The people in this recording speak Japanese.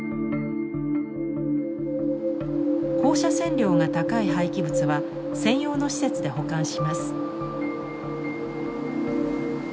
放射線量が高い廃棄物は専用の施設で保管します。